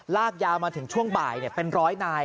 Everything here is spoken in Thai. ลากยาวมาถึงช่วงบ่ายเป็นร้อยนาย